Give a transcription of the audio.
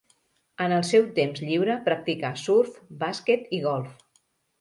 En el seu temps lliure practica surf, bàsquet i golf.